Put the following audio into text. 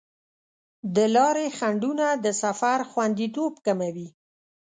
د لارې خنډونه د سفر خوندیتوب کموي.